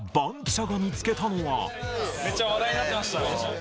めっちゃ話題になってました。